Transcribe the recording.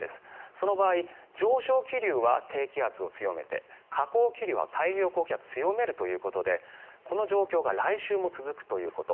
その場合、上昇気流は低気圧を強めて下降気流は太平洋高気圧を強めるということでこの状況が来週も続くということ。